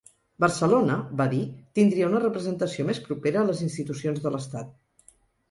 Barcelona –va dir– tindria una representació més propera a les institucions de l’estat.